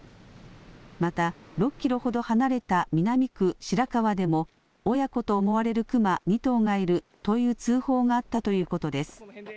また６キロほど離れた南区白川でも親子と思われるクマ２頭がいるという通報があったということです。